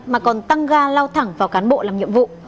mà còn tăng ga lao thẳng vào cán bộ làm nhiệm vụ